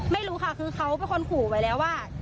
ไม่รู้ค่ะคือเขาเป็นคนขู่ไว้แล้วว่า